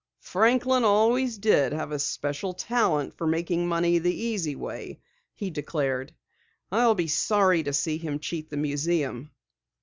"Franklin always did have a special talent for making money the easy way," he declared. "I'll be sorry to see him cheat the museum."